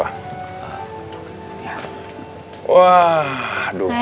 yaudah kalo begitu gua langsung masuk ya